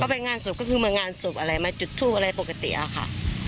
ก็ไปงานสวดก็คือมางานสวดอะไรมาจุดทุกอะไรปกติอะค่ะ